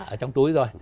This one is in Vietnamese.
ở trong túi rồi